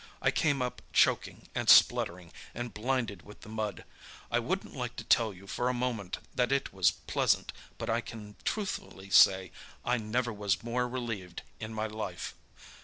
I came up choking and spluttering, and blinded with the mud—I wouldn't like to tell you for a moment that it was pleasant, but I can truthfully say I never was more relieved in my life.